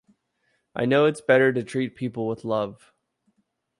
I know it's better to treat people with love-